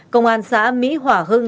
công an xã mỹ hỏa hưng